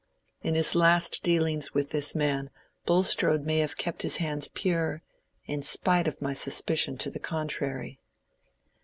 In his last dealings with this man Bulstrode may have kept his hands pure, in spite of my suspicion to the contrary."